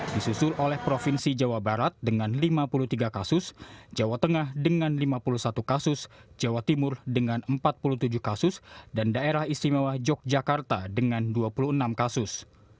disusul oleh provinsi jawa barat dengan lima puluh tiga kasus jawa tengah dengan lima puluh satu kasus jawa timur dengan empat puluh tujuh kasus dan daerah istimewa yogyakarta dengan dua puluh enam kasus